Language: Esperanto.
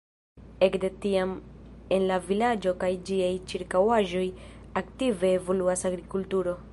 Ekde tiam en la vilaĝo kaj ĝiaj ĉirkaŭaĵoj aktive evoluas agrikulturo.